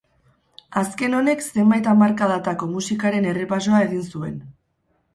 Azken honek zenbait hamarkadatako musikaren errepasoa egin zuen.